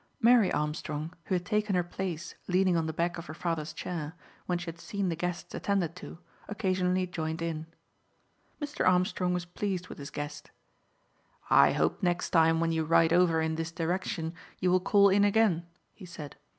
Mary Armstrong, who had taken her place leaning on the back of her father's chair, when she had seen the guests attended to, occasionally joined in. Mr. Armstrong was pleased with his guest. "I hope next time when you ride over in this direction you will call in again," he said.